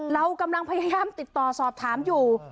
เรากำลังพยายามติดต่อสอบถามอยู่